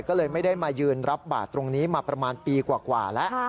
ก็เลยไม่ได้มายืนรับบาทตรงนี้มาประมาณปีกว่าแล้ว